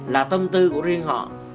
là tâm tư của riêng họ